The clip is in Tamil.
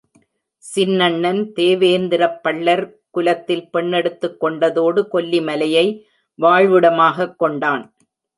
சின்னண்ணன் தேவேந்திரப் பள்ளர் குலத்தில் பெண்ணெடுத்துக் கொண்டதோடு, கொல்லிமலையை வாழ்விடமாகக் கொண்டான்.